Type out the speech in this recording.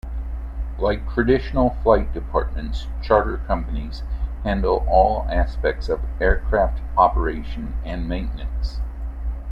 Like traditional flight departments, charter companies handle all aspects of aircraft operation and maintenance.